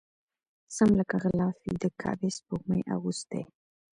سم لکه غلاف وي د کعبې سپوږمۍ اغوستی